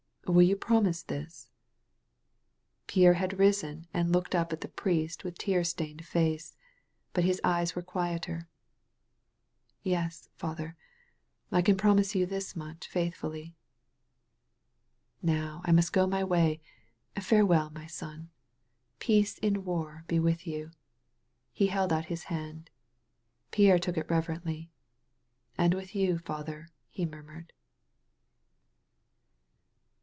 Will you promise this ?" Pierre had risen and looked up at the priest with 118 THE BROKEN SOLDIER tear stained face. But his eyes were quieter. "Yes, Father, I can promise you this much faithfully.'' "Now I must go my way. Farewell, my son. Peace in war be with you." He held out his hand. Pierre took it reverently. "And with you. Father," he murmured.